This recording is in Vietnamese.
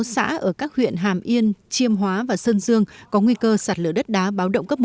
một mươi xã ở các huyện hàm yên chiêm hóa và sơn dương có nguy cơ sạt lở đất đá báo động cấp một